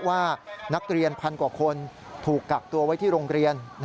ว่านักเรียนพันกว่าคนถูกกักตัวไว้ที่โรงเรียน